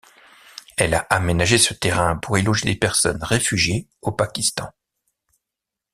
Elle a aménagé ce terrain pour y loger des personnes réfugiées au Pakistan.